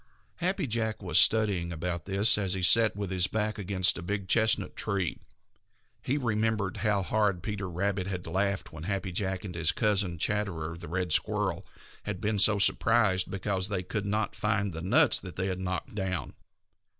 Happy Jack was studying about this as he sat with his back against a big chestnut tree. He remembered how hard Peter Rabbit had laughed when Happy Jack and his cousin, Chatterer the Red Squirrel, had been so surprised because they could not find the nuts they had knocked down.